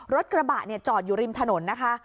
รถกระบะจอดอยู่ริมถนนนะคะ